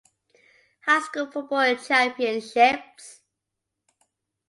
High School football championships.